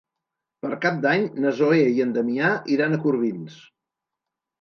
Per Cap d'Any na Zoè i en Damià iran a Corbins.